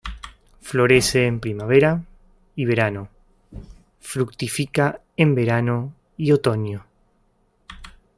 Florece en primavera y verano; fructifica en verano y otoño.